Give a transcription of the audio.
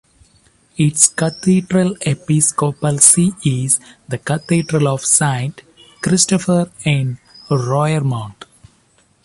Its cathedral episcopal see is the Cathedral of Saint Christopher in Roermond.